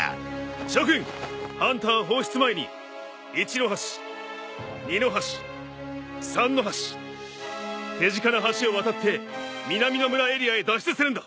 諸君ハンター放出前に一の橋二の橋三の橋手近な橋を渡って南の村エリアへ脱出するんだ！